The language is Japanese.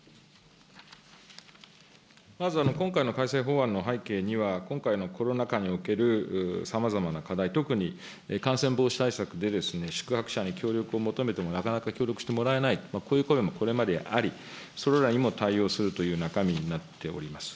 まず今回の改正法案の背景には、今回のコロナ禍におけるさまざまな課題、特に感染防止対策で宿泊者に協力を求めてもなかなか協力してもらえないと、こういう声もこれまであり、それらにも対応するという中身になっております。